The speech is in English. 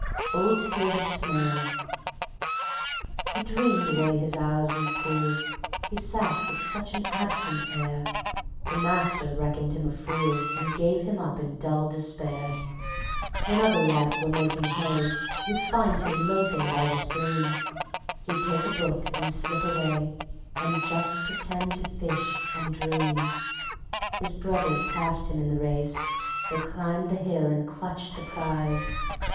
Old David Smail He dreamed away his hours in school; He sat with such an absent air, The master reckoned him a fool, And gave him up in dull despair. When other lads were making hay You'd find him loafing by the stream; He'd take a book and slip away, And just pretend to fish ... and dream. His brothers passed him in the race; They climbed the hill and clutched the prize.